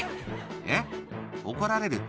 「えっ？怒られるって？